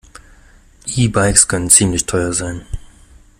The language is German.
E-Bikes können ziemlich teuer sein.